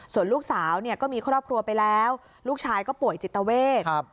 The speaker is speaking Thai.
ส่วนลูกสาวเนี่ยก็มีครอบครัวไปแล้วลูกชายก็ป่วยจิตเวท